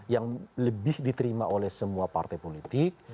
yang lebih diterima oleh semua partai politik